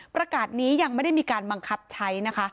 ประกาศนี้ยังไม่ได้มีการบังคับใช้นะคะ